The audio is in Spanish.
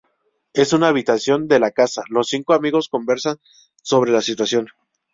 En una habitación de la casa, los cinco amigos conversan sobre la situación.